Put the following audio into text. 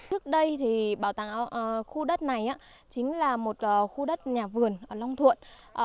trước đây thì bảo tàng khu đất này chính là một khu đất nhà vườn ở long thuận